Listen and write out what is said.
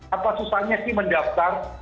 apa susahnya sih mendaftar